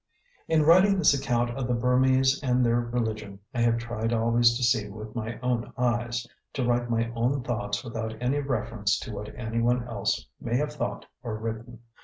In writing this account of the Burmese and their religion, I have tried always to see with my own eyes, to write my own thoughts without any reference to what anyone else may have thought or written.